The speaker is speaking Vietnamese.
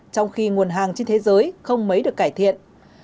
trong khi nguồn hàng trên thế giới không mấy được cải thiện